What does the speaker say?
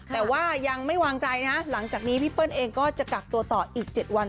แต่ว่ายังไม่วางใจนะหลังจากนี้พี่เปิ้ลเองก็จะกักตัวต่ออีก๗วัน